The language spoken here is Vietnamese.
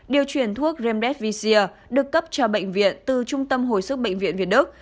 điều chuyển thuốc remdesivir được cấp cho bệnh viện từ trung tâm hồi sức bệnh viện việt đức